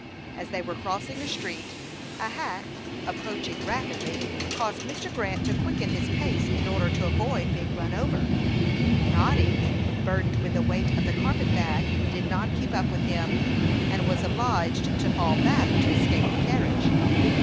As they were crossing a street, a hack, approaching rapidly, caused Mr. Grant to quicken his pace in order to avoid being run over. Noddy, burdened with the weight of the carpet bag, did not keep up with him, and he was obliged to fall back to escape the carriage.